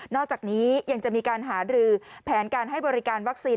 อกจากนี้ยังจะมีการหารือแผนการให้บริการวัคซีน